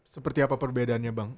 seperti apa perbedaannya bang